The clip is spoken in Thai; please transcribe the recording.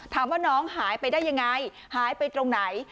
น้องหายไปได้ยังไงหายไปตรงไหน